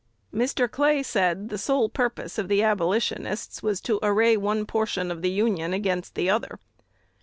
Mr. Clay said the sole purpose of the Abolitionists was to array one portion of the Union against the other.